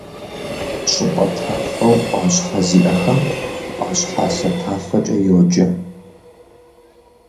ЩӀыпӀэ тафэу Ӏуащхьэ зиӀэхэм — Ӏуащхьалъэ тафэкӀэ йоджэ.